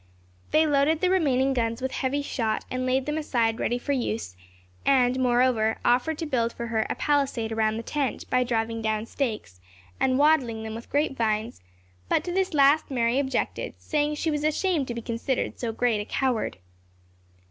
They loaded the remaining guns with heavy shot, and laid them aside ready for use; and, moreover, offered to build for her a palisade around the tent, by driving down stakes, and wattling them with grape vines; but to this last Mary objected, saying she was ashamed to be considered so great a coward.